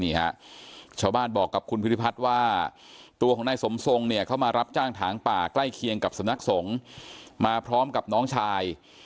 นี่ฮะชาวบ้านบอกกับคุณพิธิพัฒน์ว่าตัวของนายสมทรงเนี่ยเขามารับจ้างถางป่าใกล้เคียงกับสำนักสงฆ์มาพร้อมกับน้องชาย